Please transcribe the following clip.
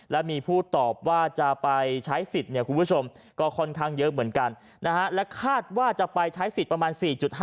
และมีผู้ตอบว่าจะไปใช้สิทธิ์เนี่ยคุณผู้ชมก็ค่อนข้างเยอะเหมือนกันนะฮะและคาดว่าจะไปใช้สิทธิ์ประมาณ๔๕